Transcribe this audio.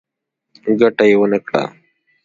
ګټه یې ونه کړه.